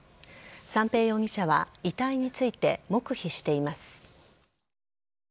三瓶容疑者は遺体について黙秘しています。